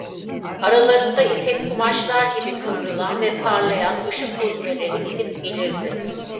Aralarında ipek kumaşlar gibi kıvrılan ve parlayan ışık huzmeleri gidip gelirdi…